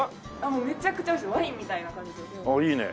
もうめちゃくちゃおいしいワインみたいな感じですね。